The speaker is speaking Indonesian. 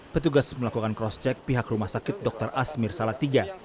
petugas melakukan cross check pihak rumah sakit dr asmir salatiga